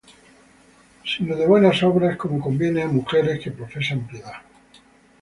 Sino de buenas obras, como conviene á mujeres que profesan piedad.